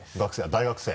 大学生？